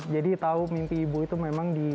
jadi tau mimpi ibu itu memang di